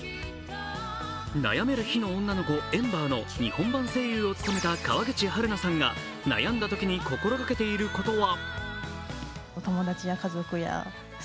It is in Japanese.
悩める火の女の子、エンバーの日本版声優を務めた川口春奈さんが悩んだときに心がけていることは。